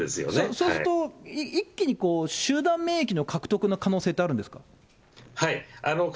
そうすると、一気に集団免疫の獲得の可能性ってあるんですか？